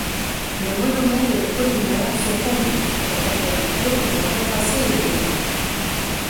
Le monomère et le polymère sont fondus, la température pouvant être assez élevée.